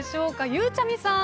ゆうちゃみさん